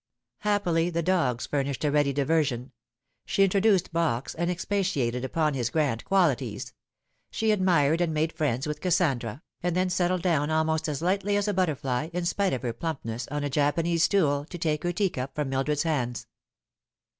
Happily the dogs furnished a ready diversion. She introduced Box, and expatiated upon his grand qualities. She admired and made friends with Kassandra, and then settled down almost as lightly as a butterfly, in spite of her plumpness, on a Japanese stool, to take her teacup from Mildred's hands.